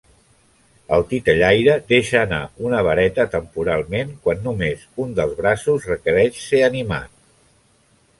El titellaire deixa anar una vareta temporalment quan només un dels braços requereix ser animat.